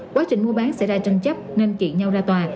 quá trình mua bán xảy ra tranh chấp nên kiện nhau ra tòa